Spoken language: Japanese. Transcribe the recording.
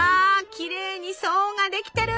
きれいに層ができてる！